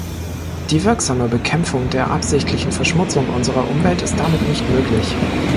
Die wirksame Bekämpfung der absichtlichen Verschmutzung unserer Umwelt ist damit nicht möglich.